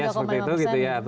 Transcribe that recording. seperti itu gitu ya